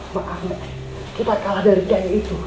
makamu kita kalah dari kiai itu